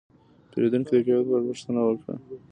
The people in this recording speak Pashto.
پیرودونکی د کیفیت په اړه پوښتنه وکړه.